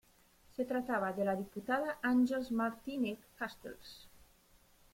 Se trataba de la diputada Àngels Martínez Castells.